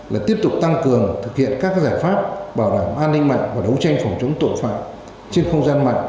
là tiếp tục tăng cường thực hiện các giải pháp bảo đảm an ninh mạng và đấu tranh phòng chống tội phạm trên không gian mạng